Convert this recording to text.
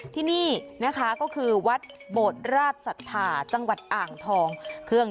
ที่นี่นะคะก็คือวัดโบดราชศรัทธาจังหวัดอ่างทอง